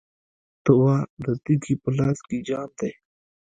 ته وا، د تږي په لاس کې جام دی